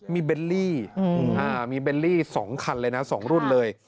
มีเบลลี่๒คันเลยนะ๒รุ่นเลย